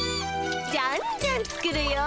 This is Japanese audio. じゃんじゃん作るよ。